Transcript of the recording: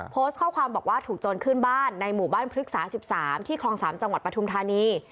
โพสต์ข้อความบอกว่าถูกโจรขึ้นบ้านในหมู่บ้านพฤกษา๑๓ที่คลอง๓จังหวัดปทุมธานี